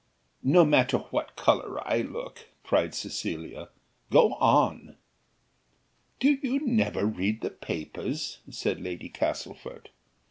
"No matter what colour I look," cried Cecilia; "go on." "Do you never read the papers?" said Lady Castlefort.